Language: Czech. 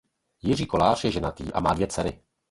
Jiří Kolář je ženatý a má dvě dcery.